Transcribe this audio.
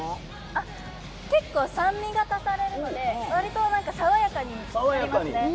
結構、酸味が足されるので割と爽やかになりますね。